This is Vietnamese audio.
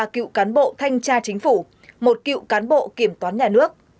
ba cựu cán bộ thanh tra chính phủ một cựu cán bộ kiểm toán nhà nước